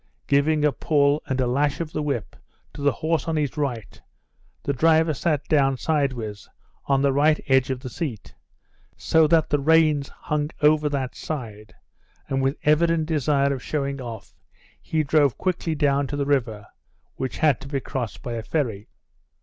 Giving a pull and a lash of the whip to the horse on his right, the driver sat down sideways on the right edge of the seat, so that the reins hung over that side, and with evident desire of showing off, he drove quickly down to the river, which had to be crossed by a ferry.